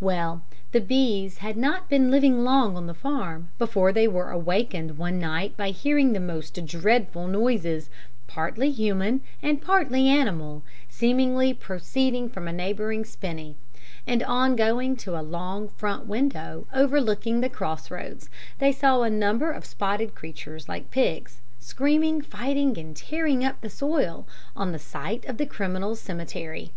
Well, the B s had not been living long on the farm, before they were awakened one night by hearing the most dreadful noises, partly human and partly animal, seemingly proceeding from a neighbouring spinney, and on going to a long front window overlooking the cross roads, they saw a number of spotted creatures like pigs, screaming, fighting and tearing up the soil on the site of the criminals' cemetery.